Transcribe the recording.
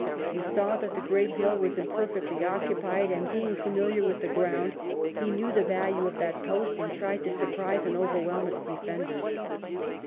He saw that the great hill was imperfectly occupied, and being familiar with the ground, he knew the value of that post, and tried to surprise and overwhelm its defenders.